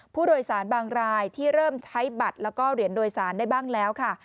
ผู้โดยสารบางรายที่เริ่มใช้บัตรแล้วก็เหรียญโดยสารได้บ้างแล้วค่ะ